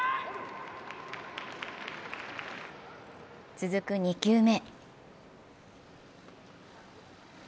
続く２球目。